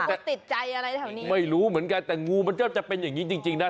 จะติดใจอะไรแถวนี้ไม่รู้เหมือนกันแต่งูมันก็จะเป็นอย่างนี้จริงจริงนะ